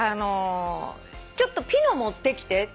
「ちょっとピノ持ってきて」